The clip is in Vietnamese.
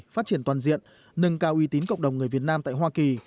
phát triển toàn diện nâng cao uy tín cộng đồng người việt nam tại hoa kỳ